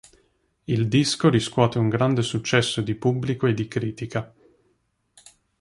Il disco riscuote un grande successo di pubblico e di critica.